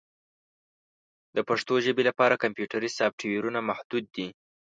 د پښتو ژبې لپاره کمپیوټري سافټویرونه محدود دي.